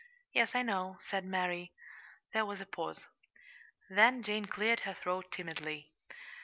"Yes, I know," said Mary. There was a pause; then Jane cleared her throat timidly.